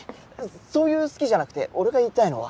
そういう「好き」じゃなくて俺が言いたいのは。